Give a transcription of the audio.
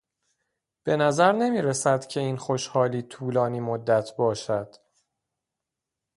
بنظر نمی رسد که این خوشحالی طولانی مدت باشد.